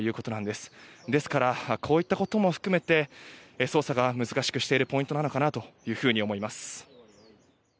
ですからこういったことも含めて捜査を難しくしているポイントなのかなと思います。